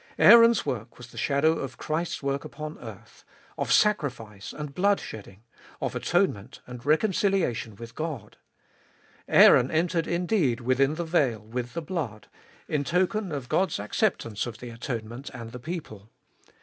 Aaron's work was the shadow of Christ's work upon earth, of sacrifice and blood shedding, of atonement and reconciliation with God. Aaron entered indeed within the veil with the blood, in token of God's acceptance of 236 Cbe Dolfest of ail the atonement and the people.